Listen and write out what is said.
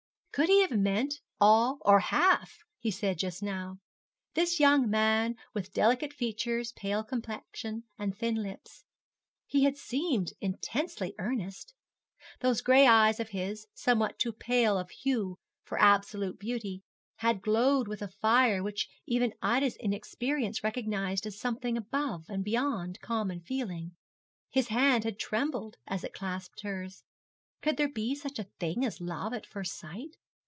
Could he have meant all or half he said just now? this young man with the delicate features, pale complexion, and thin lips. He had seemed intensely earnest. Those gray eyes of his, somewhat too pale of hue for absolutely beauty, had glowed with a fire which even Ida's inexperience recognised as something above and beyond common feeling. His hand had trembled as it clasped hers. Could there be such a thing as love at first sight?